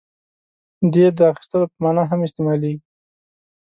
• دې د اخیستلو په معنیٰ هم استعمالېږي.